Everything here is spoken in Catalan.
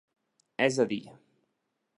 És a dir.